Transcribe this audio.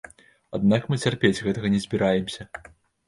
Аднак мы цярпець гэтага не збіраемся.